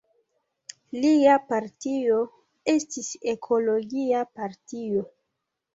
Lia partio estis Ekologia partio.